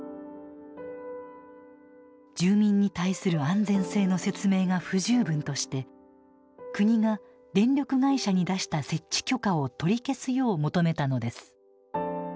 住民に対する安全性の説明が不十分として国が電力会社に出した設置許可を取り消すよう求めたのです。